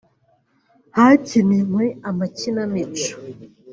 hakinwe amakinamico